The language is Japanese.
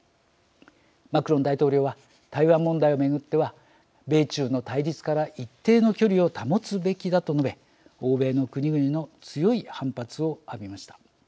マクロン大統領は「台湾問題を巡っては米中の対立から一定の距離を保つべきだ」と述べ欧米の国々の強い反発を浴びました。